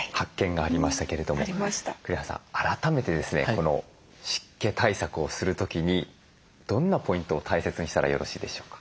この湿気対策をする時にどんなポイントを大切にしたらよろしいでしょうか？